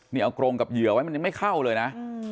นี่เอากรงกับเหยื่อไว้มันยังไม่เข้าเลยนะ